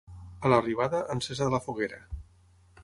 A l'arribada, encesa de la foguera.